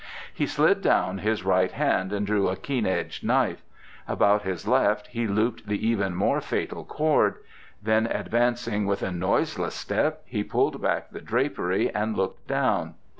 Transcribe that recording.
He slid down his right hand and drew a keen edged knife; about his left he looped the even more fatal cord; then advancing with a noiseless step he pulled back the drapery and looked down.